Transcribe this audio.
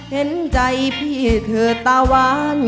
เห็นใจพี่เธอตาวาน